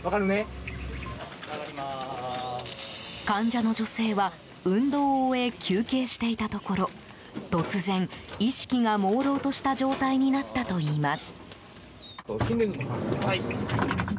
患者の女性は、運動を終え休憩していたところ突然意識がもうろうとした状態になったといいます。